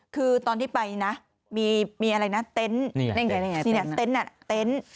คือตอนที่ไปนะมีเต็นต์นี่ไงเต็นต์น่ะเต็นต์